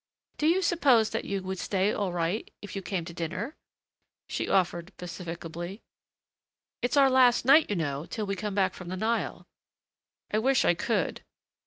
"Do you suppose that you would stay all right if you came to dinner?" she offered pacificably. "It's our last night, you know, till we come back from the Nile." "I wish I could."